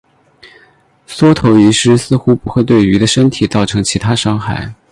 缩头鱼虱似乎不会对鱼的身体造成其他伤害。